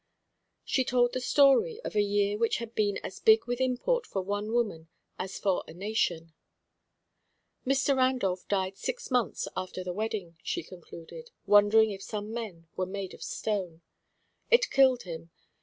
She told the story of a year which had been as big with import for one woman as for a nation. "Mr. Randolph died six months after the wedding," she concluded, wondering if some men were made of stone. "It killed him.